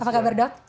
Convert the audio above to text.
apa kabar dok